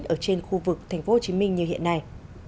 ở trên khu vực tp hcm như hiện nay